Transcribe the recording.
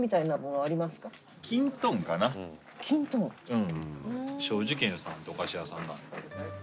うん。